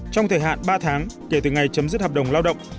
trong thời hạn ba tháng kể từ ngày chấm dứt hợp đồng lao động